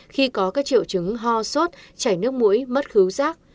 khi có các triệu chứng ho sốt chảy nước mũi mất khứu rác